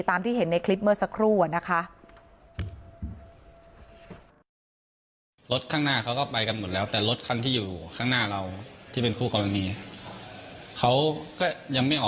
ตามที่เห็นในคลิปเมื่อสักครู่นะคะ